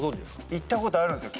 行ったことあるんですよ